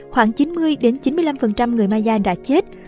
khoảng chín mươi chín mươi năm người maya đã chết